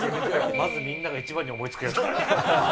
まずみんなが一番に思いつくやつ。